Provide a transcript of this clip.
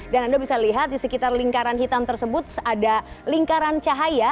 dan anda bisa lihat di sekitar lingkaran hitam tersebut ada lingkaran cahaya